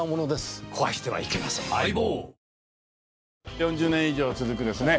４０年以上続くですね